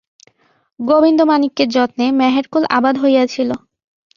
গোবিন্দমাণিক্যের যত্নে মেহেরকুল আবাদ হইয়াছিল।